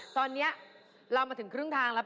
ตอนนี้เรามาถึงครึ่งทางแล้ว